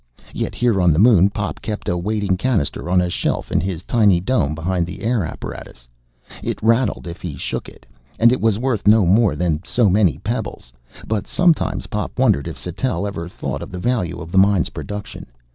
Yet here on the Moon Pop kept a waiting cannister on a shelf in his tiny dome, behind the air apparatus. It rattled if he shook it, and it was worth no more than so many pebbles. But sometimes Pop wondered if Sattell ever thought of the value of the mine's production.